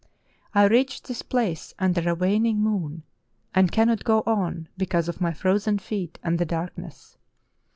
I reached this place under a waning moon, and cannot go on because of my frozen feet and the darkness.